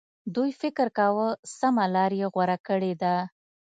دوی فکر کاوه سمه لار یې غوره کړې ده.